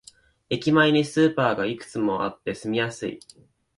駅前にスーパーがいくつもあって住みやすい